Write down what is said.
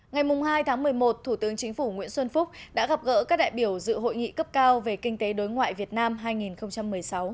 ngày hai tháng một mươi một thủ tướng chính phủ nguyễn xuân phúc đã gặp gỡ các đại biểu dự hội nghị cấp cao về kinh tế đối ngoại việt nam hai nghìn một mươi sáu